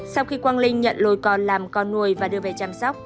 sau khi quang linh nhận lôi còn làm con nuôi và đưa về chăm sóc